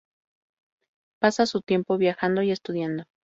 Pasa su tiempo viajando y estudiando.